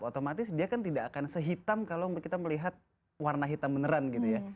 otomatis dia kan tidak akan sehitam kalau kita melihat warna hitam beneran gitu ya